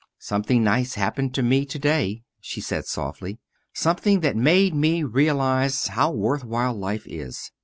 "Something nice happened to me to day," she said, softly. "Something that made me realize how worth while life is.